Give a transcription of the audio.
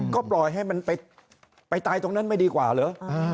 ก็ปล่อยให้มันไปตายตรงนั้นไม่ดีกว่าเหรอ